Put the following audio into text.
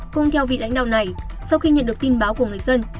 cũng theo vị lãnh đạo này sau khi nhận được tin báo của người dân